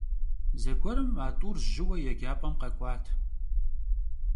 Zeguerım a t'ur jıue yêcap'em khek'uat.